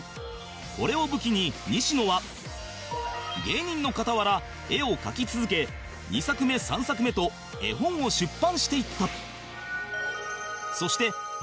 これを武器に西野は芸人の傍ら絵を描き続け２作目３作目と絵本を出版していった